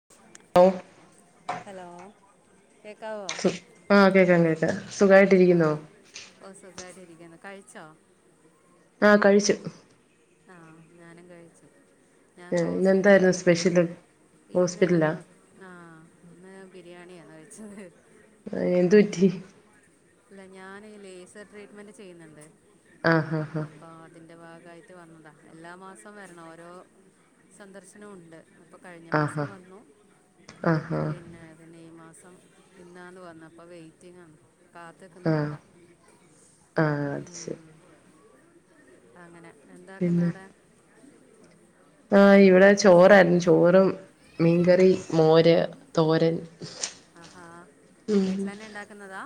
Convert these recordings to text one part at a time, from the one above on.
[unintelligible] ഏഹ് hello കേക്കാവോ ആഹ് കേക്കാം കേൾക്കാം സുഖമായിട്ട് ആ ഇരിക്കുന്നോ ഓ സുഖവായിട്ടിരിക്കുന്നു കഴിച്ചോ ആഹ് കഴിച്ചു ആഹ് ഞാനും കഴിച്ചു ഞാൻ ഹോസ്പിറ്റലിൽ ഇന്നെന്തായിരുന്നു വന്നിട്ടുണ്ട് സ്പെഷ്യല് പിന്നെ ഹോസ്പിറ്റലാ ആഹ് ഇന്ന് ബിരിയാണിയാണ് കഴിച്ചത് എന്തുപറ്റി ഇല്ല ഞാന് ലേസർ ട്രീറ്റ്മെന്റ് ചെയ്യുന്നുണ്ട് ആഹ് ആഹ് അപ്പൊ അതിന്റെ ഭാഗമായിട്ട് വന്നതാ എല്ലാ മാസോം വരണം ഓരോ സന്ദർശനവും ഉണ്ട് ഇപ്പൊ കഴിഞ്ഞ മാസം ആഹ് വന്നു ആഹ് ആഹ് പിന്നെ മെയ് മാസം ഇന്നാന്ന് പറഞ്ഞ് അപ്പൊ വെയ്റ്റിംങ്ങാണ് കാത്തിക്കുന്നുണ്ട് ആഹ് ഇടാ ആഹ് അത് ഉം ശരി അങ്ങനെ എന്താക്കുന്നു പിന്നെ അവിടെ ആഹ് ഇവിടെ ചോറായിരുന്നു ചോറും മീൻകറി മോര് തോരൻ ആഹാ വീട്ടില് തന്നെ ഉണ്ടാക്കുന്നതാ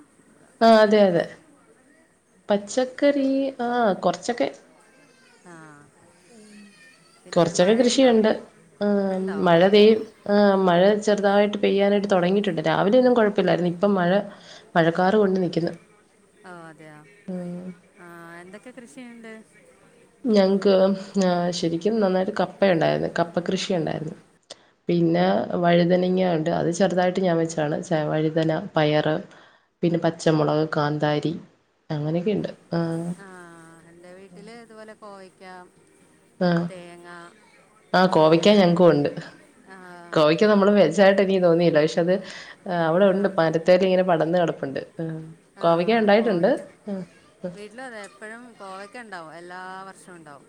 ആഹ് അതെ പച്ചക്കറിയൊക്കെ അതെ പച്ചക്കറി ആഹ് കൊറച്ചൊക്കെ ആഹ് കൊറച്ചൊക്കെ കൃഷിയുണ്ട് ആ ഉണ്ടോ മഴ പെയ്യും ആഹ് മഴ ചെറുതായിട്ട് പെയ്യാനായിട്ട് തുടങ്ങിയിട്ടുണ്ട് രാവിലെയൊന്നും കുഴപ്പില്ലായിരുന്നു ഇപ്പം മഴ മഴക്കാർ കൊണ്ട് നിൽക്കുന്നു ആഹ് അതെയോ ആഹ് എന്തൊക്കെ കൃഷിയുണ്ട് ഞങ്ങക്ക് ശരിക്കും നന്നായിട്ട് കപ്പയുണ്ടായിരുന്നു കപ്പ കൃഷി ഉണ്ടായിരുന്നു പിന്നെ വഴുതനങ്ങ ഉണ്ട് അത് ചെറുതായിട്ട് ഞാൻ വെച്ചതാണ് ച വഴുതന പയറ് പിന്നെ പച്ചമുളക് കാന്താരി അങ്ങനെയൊക്കെ ഉണ്ട് ആഹ് ആഹ് എൻറെ വീട്ടില് ഇതുപോലെ കോവക്ക ആഹ് തേങ്ങ ആഹ് ചേന കോവയ്ക്ക ആ ക്ക്‌ നമ്മള് വെജ് ആയിട്ട് എനിക്ക് തോന്നിയില്ല പക്ഷെ അത് അവിടെ ഉണ്ട് ആ പര് മരതെല് ഇങ്ങനെ പടന്ന് കിടപ്പുണ്ട് കോവയ്ക്ക ആഹ് ഉണ്ടായിട്ടുണ്ട് കോവക്ക ആഹ് വീട്ടിലതെ എപ്പോഴും കോവക്ക ഉണ്ടാവും എല്ലാ വർഷവും ഉണ്ടാവും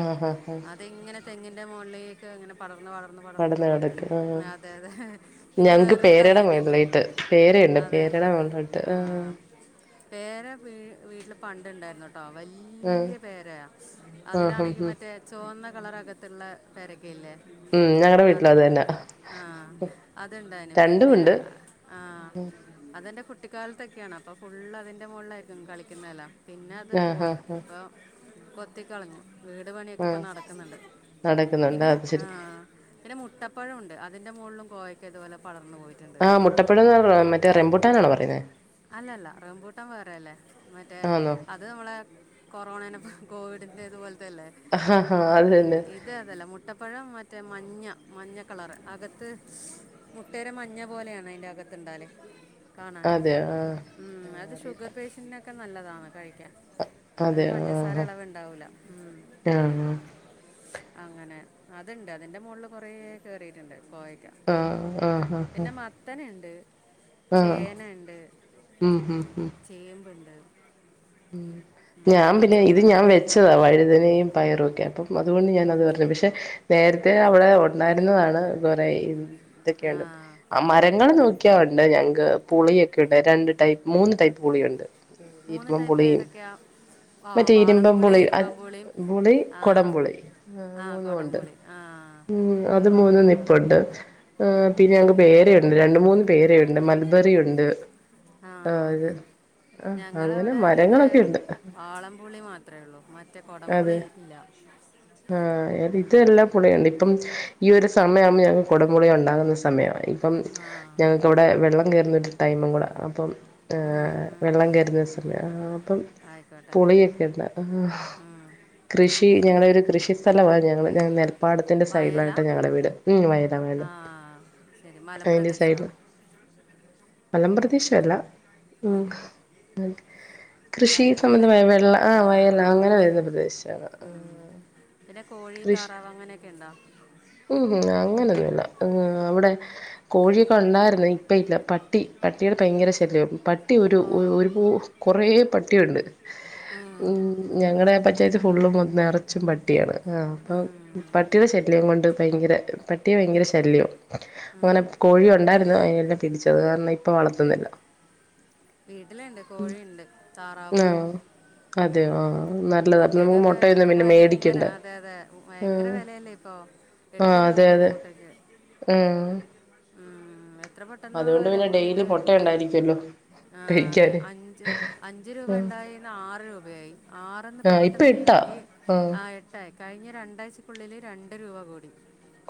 ആഹ് ആഹ് ഇങ്ങനെ തെങ്ങിന്റെ മോളി ക്കെ ഇങ്ങനെ പടർന്ന് പടർന്ന് പടർന്ന് പടന്ന് കിടക്ക് പോയിട്ടുണ്ട് ആഹ് അതെതെ പിന്നെ ഞങ്ങക്ക് വേറൊരു തൈ പേരയുടെ തന്നെയുണ്ട് മുകളിലായിട്ട് പേരയുണ്ട് അതെല്ലേ പേരയുടെ മുകളിലോട്ട് ആഹ് വേറെ വീ വീട്ടില് പണ്ടെ ഉണ്ടായിരൂന്നു കേട്ട ആഹ് വല്ല്യ പേരയ ആഹ് ഹും അതിലാണെങ്കി ഹും മറ്റേ ചുവന്ന കളർ അകത്തുള്ള പേരക്കയില്ലേ ഉം ഞങ്ങടെ വീട്ടിലും അതെ അത് തന്നാ ആഹ് അത്ണ്ടായിന് രണ്ടും പിന്നെ ഉണ്ട് ആഹ് അതെന്റെ കുട്ടിക്കാലത്തൊക്കെയാണ് അപ്പൊ ഫുള്ള് അതിന്റെ മോളിലായിരിക്കും കളിക്കുന്നയെല്ലാം പിന്നെ അത് ആഹ് പോയി ആഹ് ആഹ് ഇപ്പൊ കൊത്തിക്കളഞ്ഞു വീട് പണിയൊക്കെ ഇപ്പ ആഹ് നടക്കുന്നുണ്ട് നടക്കുന്നുണ്ട് പിന്നെ അത് ശരി ആഹ് പിന്നെ മുട്ടപ്പഴം ഉണ്ട് അതിൻ്റെ മോളിലും കോവയ്ക്ക ഇതുപോലെ പടർന്നു പോയി ആ മുട്ടപ്പുഴന്ന് മറ്റേ റെംബുട്ടനാണോ പറയുന്നേ അല്ലല്ല റപൂട്ടാൻ വേറെയല്ലേ മറ്റേ ആന്നോ അത് നമ്മളെ കൊറോണേനപ്പ കോവിഡിന്റെത് പോലത്തെയല്ലേ? അത് തന്നെ ഇത് അതല്ല മുട്ടപ്പഴം മറ്റേ മഞ്ഞ മഞ്ഞ കളർ അകത്ത് മുട്ടേര മഞ്ഞ പോലെയാണ് അതിന്റെ അകത്ത്ണ്ടാലേ കാണാൻ [unintelligible] ഉം ആഹ് അത് അറിയില്ല ഷുഗർ പേഷ്യന്റിനൊക്കെ നല്ലതാണ് കഴിക്കാൻ അതിന് അതെയോ പഞ്ചസാര ആഹ് ഇളവ്ണ്ടാവൂല മ് ആഹ് അങ്ങനെ അതുണ്ട് അതിന്റെ മോളിൽ കൊറേ കേറിയിട്ടുണ്ട് കൊവയ്ക്ക ആഹ് ആഹ് ആഹ് പിന്നെ മത്തനുണ്ട് ആഹ് ചേന ഉണ്ട് ഉം ഹ് ഹ് ചേമ്പുണ്ട് ഉം ഉം, ഞാൻ പിന്നെ ഇത് ഞാൻ പച്ചമുളകുണ്ട് വെ ച്ചതാ വഴുതനയും പയറുമൊക്കെ അപ്പം അതുകൊണ്ട് ഞാനത് പറഞ്ഞു പക്ഷെ നേരത്തെ അവിടെ ഉണ്ടായിരുന്നതാണ് കുറെ ആ ഇതൊക്കെയുണ്ട് ആ മരങ്ങള് നോക്കിയണ്ട് ഞങ്ങക്ക് പുളിയൊക്കെ ഉണ്ട് രണ്ട് ടൈപ്പ് മൂന്ന് ടൈപ്പ് പുളിയുണ്ട് മൂന്ന് ഇരുമ്പം ടൈപ്പ് പുളിയും ഏതൊക്കെയാ ആ മറ്റേ വാളംപുളി ഇരുമ്പൻപുളി അ ഇരുമ്പമ്പുളിയും പുളി ആ കൊടംപുളി ആ മൂന്നുംണ്ട് കൊടംപുളി ആ ഉം ആ അത് മൂന്നും ആ നിപ്പൊണ്ട് ആ പിന്നെ ഞങ്ങക്ക് ഞങ്ങൾ പേര ഉണ്ട് രണ്ട് മൂന്ന് പേരണ്ട് മൾബറി ഉണ്ട് ആ ആഹ് ഇത് അഹ്, ഇടെ ഇതേ ഉള്ളു വാളംപുളി മാത്രേ ഉള്ളൂ മറ്റേ കുടംപുളി അതെ ഇല്ല ആഹ് ഉം. ഇതെല്ലാ പുളിയുണ്ട് ഇപ്പം ഈ ഒരു സമയമാവുമ്പോ ഞ കുടമ്പുളിയ ഉണ്ടാകുന്ന സമയ പ്പം ആ ഞങ്ങക്ക് വ്ടെ വെള്ളം കയറുന്ന ഒരു ടൈമും കൂടെ അപ്പം ഉം, ഉം, ഏഹ് ഉം, വെള്ളം ഉം. കരുന്ന സമയം അപ്പം ആയിക്കോട്ടെ പുളിയൊക്കെ ണ്ട ഉം. കൃഷി ഞങ്ങളുടെ ഒരു കൃഷി സ്ഥലമാ ഞങ്ങൾ ഞ നെ പ്പാടത്തിന്റെ വയലാ സൈഡിലായിട്ട് ഞങ്ങടെ വീട് ഉം വയല വയല ആ ശരി അതിന്റെ മലമ്പ്രദേശ സൈഡില് [inaudible] മലപ്രദേശ അല്ല ഉം കൃഷി വയലല്ലേ സംബന്ധമായ വെള്ള ആ ആഹ് വയല ആ അങ്ങനെ ഓക്കെ വരുന്ന ഓക്കെ ഓക്കെ പ്രദേശാണ് ഉം. പിന്നെ കോഴി കൃഷി താറാവ് അങ്ങനെയൊക്കെണ്ടോ ഉം അങ്ങനെന്നുല്ല അവിടെ കോഴിയൊക്കെ ഉണ്ടായിരുന്നു ഇപ്പ ഇല്ല പട്ടി പട്ടിയുടെ ഭയങ്കര ശല്യവാ പട്ടി ഒരു ഓ ഒരു പൂ കുറേ പട്ടിയുണ്ട് ഉം ഞങ്ങള പഞ്ചായത്ത് ഫുള്ളും മൊ നിറച്ചും പട്ടിയാണ് ആഹ് അപ്പം ഉം, പട്ടിയുടെ ശല്യം കൊണ്ട് ഭയങ്കര പട്ടിയെ ഭയങ്കര ശല്യവാ അങ്ങനെ ഉം. കോഴിയുണ്ടായിരുന്നു അതിനെല്ലാം പിടിച്ചത് അത് കാരണം ഇപ്പൊ വളർത്തുന്നില്ല വീട്ടിലുണ്ട് കോഴിയുണ്ട് താറാവുണ്ട് ആഹ് അതെയോ ഉം ആഹ് നല്ലതാ അപ്പൊ നമുക്ക് മുട്ടക്കൊക്കെ മുട്ടയൊന്നും ഇപ്പൊ പിന്നെ ഭയങ്കര മേടിക്കണ്ട അതെ അതെ ഭയങ്കര ആഹ് വിലയല്ലേ ഇപ്പൊ എട്ട് ആഹ് അതെ രൂപയായ് അതെ മുട്ടക്ക് ഉം ഉം വെ പ്പതുകൊണ്ട് പിന്നെ ഡെയിലി മൊട്ട ഉണ്ടായിരിക്കല്ലോ ആ, അതെ പെയിക്കാന് അഞ്ച് അഞ്ച് രൂപ ഉണ്ടായിന്ന് ആറ് രൂപയായി ആറ്ന്ന് ആഹ് ഇപ്പ പെട്ടെന്ന് ഏഹ് ഇട്ടാ ഈ ആഹ് എട്ടായി കഴിഞ്ഞ രണ്ടാഴ്ചക്കുള്ളിൽ രണ്ട് രൂപ കൂടി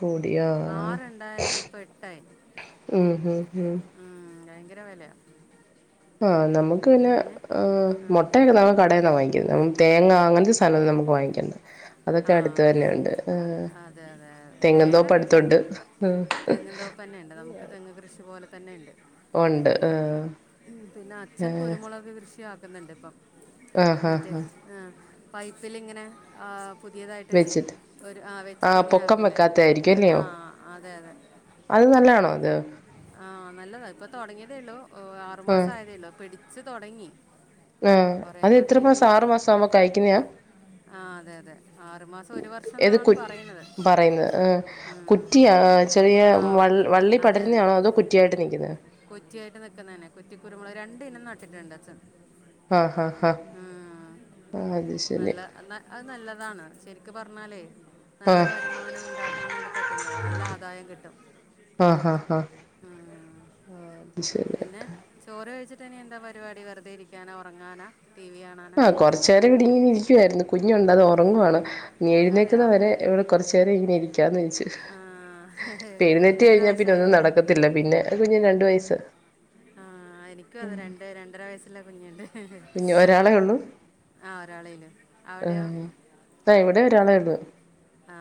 കൂടി ആഹ് ആറുണ്ടായത് ഇപ്പൊ എട്ടായി ഉം ഉം ഉം ഭയങ്കര വിലയാ ആഹ് നമുക്ക് പിന്നെ ആഹ് ആ. മുട്ടയൊക്കെ നമു കടയിന്നാ വാങ്ങിക്കുന്നെ ഉം തേങ്ങ അങ്ങൻത്തെ സാനൊന്നും നമുക്ക്‌ വാങ്ങിക്കേണ്ട. അതൊക്കെ ആ അടുത്ത് തന്നെയുണ്ട് അത് ആഹ് അതെ അതെ തേങ്ങ തെങ്ങിൻന്തോപ്പ് അടുത്തുണ്ട്. പന്നെണ്ട് നമുക്ക് തെങ്ങ് കൃഷി പോലെ തന്നെ ഉണ്ട്. ഉണ്ട് ആഹ് ഉം പിന്നെ അച്ഛൻ കുരുമുളക് കൃഷി ആക്കുന്നുണ്ട് ഇപ്പം ആഹ് ആഹ് മറ്റേ ആഹ് പൈപ്പിലിങ്ങനെ ആഹ് പുതിയതായിട്ട് വെച്ചിട്ട് ഒരു ആഹ് ആ വെച്ചിട്ട്ങ്ങനെ പൊക്കം ആക്കൂല്ലേ വെക്കാത്തായിരിക്കും അല്ലയോ ആഹ് അതെ അതെ അത് നല്ലാണോ അത് ആഹ് നല്ലതാ ഇപ്പൊ തുടങ്ങിയതേള്ളു ആ ആറുമാസം ആയതേള്ളു പിടിച്ചു തുടങ്ങി ഏഹ് കുറേ അത് എത്ര മാസം ആറു മാസം ആവുമ്പോ കഴിക്കുന്നെയാ ആഹ് അതെ അതെ ആറുമാസം ഒരു വർഷം ഏത് ന്നാണ് കു പറയുന്നത്. പറയുന്നത് ആ കുറ്റിയാ ചെറിയ ആ വൾ വള്ളി പടരുന്നാണോ അതോ കുറ്റിയായിട്ട് നിക്കുന്നതാ കൊറ്റിയായിട്ട് നിക്കുന്നെന്നെ കുറ്റി കുരുമുളക് രണ്ടിനം നട്ടിട്ടുണ്ട് അച്ഛൻ ആ ഹാ ഹാ ഉം ആ അത് ശരി നല്ല എന്നാ അഹ് നല്ലതാണ് ശരിക്ക്‌ പറഞ്ഞാലേ ആ നല്ല വരുമാനം ഉണ്ടാക്കാൻ വേണ്ടി പറ്റുന്നതാ നല്ല ആദായം കിട്ടും ഹഹ ഹ ഉം. ആത് ശരി പിന്നെ ചോറ് കഴിച്ചിട്ട് ഇനി എന്താ പരിപാടി വെറുതെ ഇരിക്കാനാ ഉറങ്ങാനാ ടി വി കാ ആഹ് കൊറച്ചേരം ഇവിടിങ്ങനെ ഇരിക്കുവായിരുന്നു കുഞ്ഞുണ്ടത് ഉറങ്ങുവാണ് ഇനി അതെയോ എഴുന്നേക്കുന്നത് വരെ ഇവിടെ കൊറച്ച് നേരം ഇങ്ങനെരിക്കാന്ന് വിചാരിച്ചു. ആ, കുഞ്ഞിന് പ്പെഴുനേറ്റ് എത്ര കഴിഞ്ഞാ പിന്നെ വയസ്സായി ഒന്നും നട ക്കത്തില്ല, പിന്നെ കുഞ്ഞിന് രണ്ടു വയസ്സ് ആഹ് എനിക്കും അതെ രണ്ട് രണ്ടര വയസ്സുള്ള കുഞ്ഞുണ്ട് കുഞ്ഞ് ഒരാളെ ഉള്ളൂ ആഹ് ഒരാളേ ഉള്ളൂ, അവിടെയോ ആഹ് ആഹ് ഇവിടേം ഒരാളേ ഒള്ളൂ ആ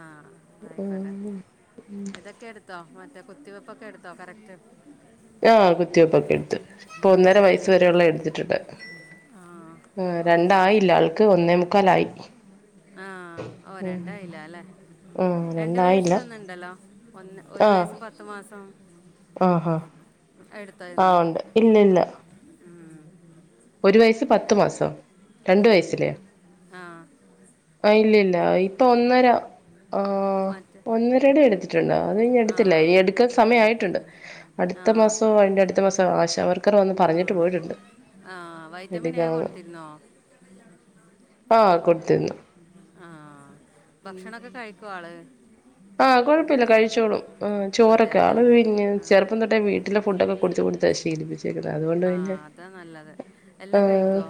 തൊക്കെ എടുത്തോ മറ്റേ കുത്തിവെപ്പൊക്കെ എടുത്തോ കറക്റ്റ് ആഹ് കുത്തിവെപ്പൊക്കെ എടുത്തു. ഇപ്പൊ ഒന്നര വയസ് വരെയുള്ളത് എടുത്തിട്ടുണ്ട് ആഹ് ആഹ് ഓഹ് ശരി രണ്ടായില്ല ശരി ആൾക്ക് ഒന്നേ മുക്കാലായി ആഹ് ഓഹ് രണ്ടായില്ല ല്ലേ ആഹ് രണ്ട് രണ്ടായില്ല വയസിലൊന്നുണ്ടല്ലോ ഒന്ന് ഒരു വയസ്സും പത്ത് മാസോം ആഹ് ആഹ് ആഹ് ഉണ്ട് ഇല്ല ഇല്ല ഉം. ഒരു വയസ്സ് പിന്നെ പത്ത് മാസോ? രണ്ട് ഉം. വയസിലെയാ? ആ ആഹ് ഇല്ല ഇല്ല ഇപ്പൊ ഒന്നര ആഹ് മറ്റേ ഒന്നരടെ എടുത്ത് ട്ടുണ്ട്, അത് ഇനിയും ആ എടുത്തില്ല, ഇനി എടുക്കാൻ ഉം. സമയായിട്ടുണ്ട്. ആ അടുത്ത മാസോ ആ അതിന്റെ അടുത്ത മാസോ ആശ വർ ക്കർ വന്ന് പറഞ്ഞിട്ട് പോയിട്ടുണ്ട്. ആഹ് വൈറ്റമിൻ എ എടുക്കണന്ന് കൊടുത്തിരുന്നോ ആഹ് കൊടുത്തിരുന്നു ആഹ് ഭക്ഷണൊക്കെ കഴിക്കോ ആള് ആഹ് കൊഴപ്പില്ല കഴിച്ചോളും ആഹ് അതെയാ ചോറൊക്കെ എൽ ആള് പിന്നെ ആ ചെറുപ്പം തൊട്ടെ വീട്ടിലെ ഫുഡൊക്ക പൊടിച്ച് കൊടുത്താ ശീലിപ്പിച്ചേക്കുന്നെ ആഹ് അതാ നല്ലത്. എല്ലാം ആഹ് കഴിക്കോ?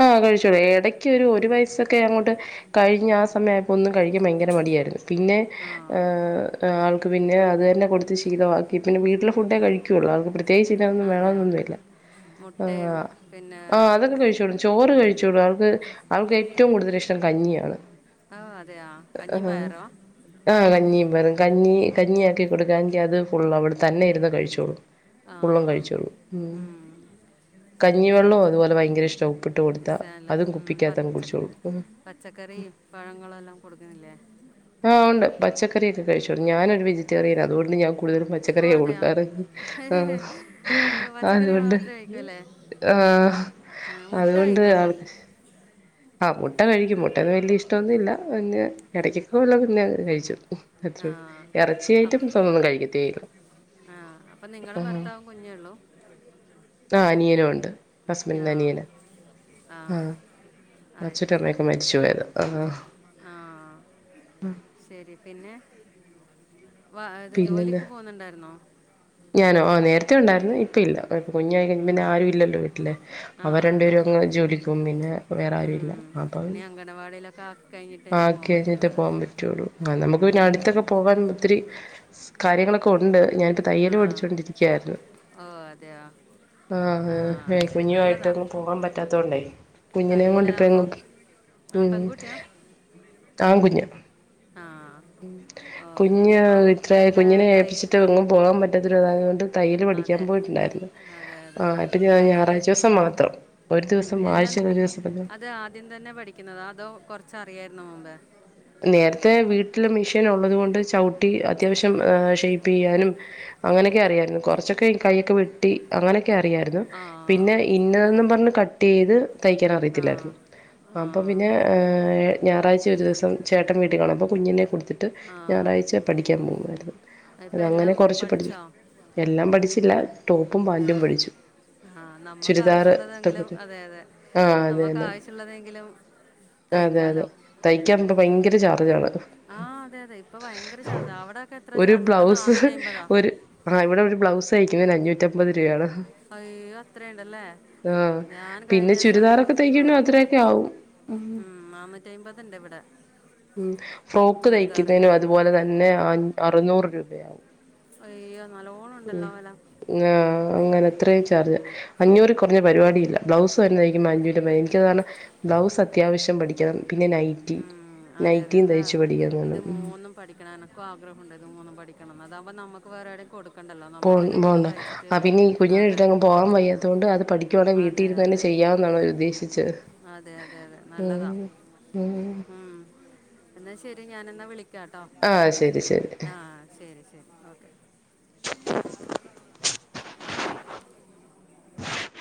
ആഹ് കഴിച്ചോളും. എടക്ക് ഒരു ഒരു വയസ് സ്സൊക്കെ അങ്ങോട്ട് കഴിഞ്ഞ ആ സമയായപ്പൊ ഒന്നും കഴിക്കാൻ ഭയങ്കര മടിയാരുന്നു ആ ആൾക്ക് പിന്നെ അത് തന്നെ കൊടുത്ത് ശീലവാക്കി. പിന്നെ വീട്ടിലെ ഫുഡേ കഴിക്കുള്ളൂ, ആൾക്ക് പ്ര പ്രത്യേകിച്ചിതൊന്നും അതെയാ വേണോന്നൊന്നുവില്ല മുട്ടയും പിന്നെ ആഹ് അതൊക്കെ കഴിച്ചോളും ചോറ് ഉം. കഴിച്ചോളും, അവൾക്ക് അവൾക്ക് ഏറ്റവും കൂടുതൽ ഇഷ്ടം കഞ്ഞിയാണ് ആഹ് അതെയോ കഞ്ഞീം ആഹ് പയറുവോ ആഹ് കഞ്ഞീം പയറും. കഞ്ഞി കഞ്ഞിയാക്കി കൊടുക്കാങ്കി അത് ഫുൾ അവള് തന്നെ ഇരിന്ന് കഴിച്ചോളും ആ ഫുള്ളും കഴിച്ചോളും ഉം ശരി ശരി കഞ്ഞിവെള്ളോം ശരി അതുപോലെ ഭയങ്കര ഇഷ്ടാ ഉപ്പിട്ട് കൊടുത്താൽ, അതും കുപ്പിക്കകത്തങ്ങ് കുടിച്ചോളും. പച്ചക്കറിം പഴങ്ങള് എല്ലാം കൊടുക്കണില്ലേ ആഹ് ഒണ്ട് പച്ചക്കറിയൊക്കെ കഴിച്ചോളും. ഞാനൊര് വെജിറ്റേറിയനാ, അതുകൊണ്ട് ഞാൻ കൂടുതലും പച്ച ഓ പച്ചക്കറിയാ അതെയാ കൊടുക്കാറ് അത്കൊണ്ട് പച്ചക്കറികൾ മാത്രമേ കഴിക്കൂ അല്ലേ ആഹ് ആ, മുട്ട അതുകൊണ്ട് കഴിക്കോ ആൾ അപ്പം ആഹ് മുട്ട കഴിക്കും മുട്ടേന്നും വല്യ ഇഷ്ടോന്നും ഇല്ല പിന്നെ എടക്കൊക്കെ വല്ലോം പിന്നെ കഴിച്ചോളും ആ അത്രയുള്ളൂ. എറച്ചി ഐറ്റംസൊന്നും കഴിക്കത്തേയില്ല ആഹ് അപ്പൊ നിങ്ങളും ആഹ് ഭർത്താവും കുഞ്ഞേയുള്ളൂ? ആഹ് അനിയനുവൊണ്ട്, ആ ഹസ്ബിന്റിൻ്റെ അനിയൻ, ആ ആഹ് അച്ഛനും അമ്മയുമൊക്കെ മരിച്ചുപോയതാ ആഹ് ആഹ് ശരി പിന്നെ വ ഇത് പിന്നെന്താ ജോലിക്ക് പോകുന്നുണ്ടാരുന്നോ? ഞാനോ ആഹ് നേരത്തെ ഒണ്ടാരുന്നു, ഇപ്പ ഇല്ല. കുഞ്ഞായി കഴിഞ്ഞ് പിന്നെ ഉം. ആരും ഇല്ലല്ലോ വീട്ടില് ആ അവര് രണ്ട് അതെ പേരും അതെ അങ്ങ് ജോലിക്ക് പോകും, പിന്നെ വേറെ ആരും ഇല്ല ഉം. അപ്പം ഇനി അങ്കണവാടിയിലൊക്കെ ആക്കി കഴിഞ്ഞിട്ട് ഇനി പോകാൻ പറ്റുള്ളൂ [unintelligible] അല്ലേ പോവാൻ പറ്റു റ്റുള്ളൂ. നമുക്ക് പിന്നെ ഉം. അടുത്തൊക്കെ പോവാൻ ഒത്തിരി കാര്യങ്ങളൊക്കെ ഒണ്ട്, ഞാനിപ്പൊ ആ തയ്യല് പടിച്ചോണ്ടിരിക്കാര്ന്ന് ഓ അതെയോ ആ ആഹ് ശരി കുഞ്ഞുവായിട്ട് നല്ലതാ പോവാൻ പറ്റാത്തോണ്ടേ കുഞ്ഞിനേം കൊണ്ട് ഇപ്പൊ എങ്ങും തയ്യലാകുമ്പോൾ ആ ഉം പെൺകുട്ടിയാ ആങ്കുഞ്ഞ ആ ഓക്കെ കുഞ്ഞ് ഇനിയിപ്പം ഇത്രായ ഇതൊക്കെ കുഞ്ഞിനെ തയ്യ ഏപ്പിച്ചിട്ട് എങ്ങും പോവാൻ പറ്റാത്തില്ല അതാരണംകൊണ്ട് തയ്യൽ പഠിക്കാൻ അതെ പോയിട്ടുണ്ടാര്ന്ന് അതെ അതെ ആഹ് ഇപ്പൊ ഞ തയ്യൽ ഞായറാഴ്ചീസം മാത്രം ഒരു ദിവസം ആഴ്ചേല് ഒരു ദിവസന്നെ ഇത് ആദ്യം തന്നെ പഠിക്കുന്നതാ അതോ കൊറച്ചറിയാര്ന്നൊ മുമ്പേ നേരത്തെ വീട്ടില് മെഷീൻ ഒള്ളത് കൊണ്ട് ചവിട്ടി അത്യാവശ്യം ഷേപ്പേയ്യാനും അങ്ങനെയൊക്കെ അറിയാരുന്നു കൊറച്ചൊക്കെ കയൊക്കെ വെട്ടി അങ്ങനെ അറിയാരുന്നു ആ പിന്നെ ഇന്നതെന്നും പറഞ്ഞ് കട്ട് കട്ടേയ്ത് തയ്ക്കാൻ ആ അറിയത്തില്ലാരുന്ന് ആ അപ്പം പിന്നെ ഇപ്- ഞായറാഴ്ച ഒരു ദിവസം ചേട്ടൻ വീട്ടി കാണും അപ്പ കുഞ്ഞിനെ കൊടുത്തി ട്ട് ആ ഞായറാഴ്ച പഠിക്കാൻ പോവാരുന്നു ഇപ്പം അതങ്ങനെ എല്ലാം കൊറച്ച് പഠിച്ചു പഠിച്ചോ എല്ലാം പഠിച്ചില്ല ടോപ്പും പാന്റും പഠിച്ചു ആഹ് നമ്മക്ക് ചുരിദാർ ആവശുള്ളതെങ്കിലും ഇഷ്ടപ്പെട്ടു അതെ അതെ ആ അത് നമ്മക്ക് തന്നെ ആവശ്യുള്ളതെങ്കിലും തയ്ക്കാലോ തയ്ക്കാൻമ്പ ഭയങ്കര ചാർജാണ് ആഹ് അതെ അതെ ഇപ്പ ഭയങ്കര ചാർജ അവിടെയക്കെ എത്രാ ചാർജ് ഇവിടെ നാനൂറ്റി അയ്മ്പതാ ആഹ് ഇവിടെ ഒരു ബ്ലൗസ് തയ്ക്കുന്നേന് അഞ്ഞൂറ്റമ്പ ത് രൂവേണ് അയ് അത്രേണ്ടല്ലേ ആഹ് ഞാൻ പിന്നെ കഴിഞ്ഞൂസം ഒരു ചുരിദാറൊക്കെ തയ്ക്കുന്നതിന് ആഹ് അത്രയൊക്കെ ആവും ഉം നാന്നൂറ്റയ്മ്പതിണ്ട് ഇവടെ ഉം ഫ്രോക്ക് തയ്ക്കുന്നതിനും അതുപോലെ തന്നെ അൻ അറുന്നൂറ് രൂപയാവും. അയ്യോ നല്ലോണം ഉണ്ടല്ലോ വെല. ആഹ് അങ്ങനെ അത്രയും ചാർജ് അഞ്ഞൂറ് കൊറഞ്ഞ പരിപാടില്ല ബ്ലൗസ് വര്ന്നായിരിക്കും [unintelligible] എനിക്കതാണ് ബ്ലൗസ് അത്യാവശ്യം പഠിക്കണം പിന്നെ നൈറ്റി ഉം, അതെ അതെ നൈറ്റിയും അതാ തയ്ച്ചു പഠിക്കുന്നുണ്ട് ഇത് മൂന്ന് പഠിക്കണം എനക്കും ആഗ്രഹമുണ്ട് ഇത് മൂന്നും പഠിക്കണന്ന് അതാകുമ്പോ നമ്മക്ക് വേറെവിടെയും കൊടു പോ പോവ്ണ്ട് ആഹ് പിന്നെ ഈ കുഞ്ഞിനെ അതെ ഇട്ട് എങ്ങോട്ടും പോവാൻ വയ്യാത്തോണ്ട് അത് പഠിക്കുവാണെ വീ അതെ ട്ടീര്ന്നു തന്നെ അതെ ചെയ്യാം എന്നാണോ അവര് ഉദ്ദേശിച്ചത്. അതെ അതെ അതെ നല്ലതാ. ഉം ഉം ഉം എന്നാ ശരി ഞാനന്നാ വിളിക്കാട്ടോ ആഹ് ശരി ശരി ആഹ് ശരി ശരി. ഓക്കെ.